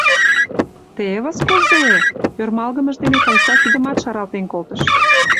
— Тевыс кузе-э! — ӧрмалгымыж дене Тайса кидымат шаралтен колтыш.